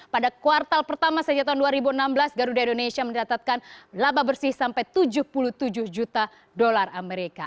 pada kuartal pertama sejak tahun dua ribu enam belas garuda indonesia mencatatkan laba bersih sampai tujuh puluh tujuh juta dolar amerika